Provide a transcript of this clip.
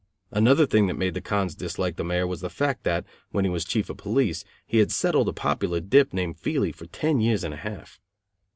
Another thing that made the "cons" dislike the Mayor was the fact, that, when he was chief of police, he had settled a popular dip named Feeley for ten years and a half.